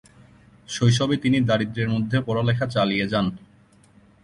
শৈশবে তিনি দারিদ্র্যের মধ্যে পড়ালেখা চালিয়ে যান।